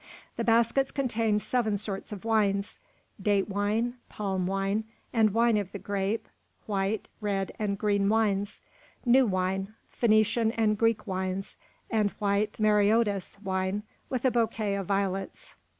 The baskets contained seven sorts of wines: date wine, palm wine, and wine of the grape, white, red, and green wines, new wine, Phoenician and Greek wines, and white Mareotis wine with a bouquet of violets.